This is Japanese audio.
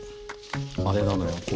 あれなのよ